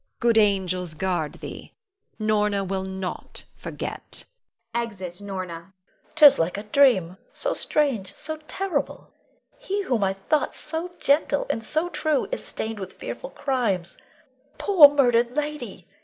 Good angels guard thee. Norna will not forget. [Exit Norna. Leonore. 'Tis like a dream, so strange, so terrible, he whom I thought so gentle, and so true is stained with fearful crimes! Poor, murdered lady!